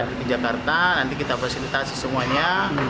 di jakarta nanti kita fasilitasi semuanya